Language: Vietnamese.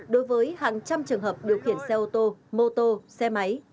đối với hàng trăm trường hợp điều khiển xe ô tô mô tô xe máy